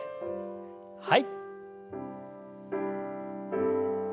はい。